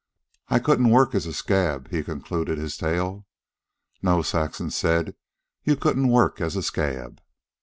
"I couldn't work as a scab," he concluded his tale. "No," Saxon said; "you couldn't work as a scab."